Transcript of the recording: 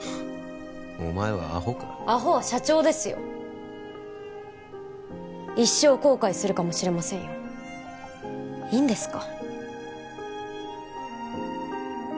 お前はアホかアホは社長ですよ一生後悔するかもしれませんよいいんですか？